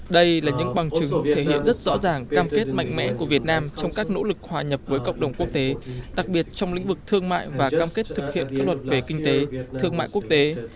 đây là những bằng chứng thể hiện rất rõ ràng cam kết mạnh mẽ của việt nam trong các nỗ lực hòa nhập với cộng đồng quốc tế đặc biệt trong lĩnh vực thương mại và cam kết thực hiện các luật về kinh tế thương mại quốc tế